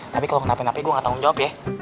tapi kalau ngenapin api gue gak tanggung jawab ya